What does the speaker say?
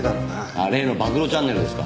ああ例の暴露チャンネルですか？